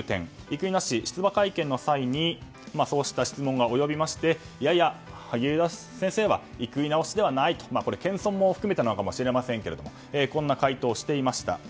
生稲氏、出馬会見の際そうした質問が及びましてやや、萩生田先生は生稲推しではないと謙遜も含めてなのかもしれませんがこんな回答もしていました。